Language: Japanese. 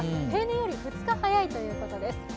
平年より２日早いということです。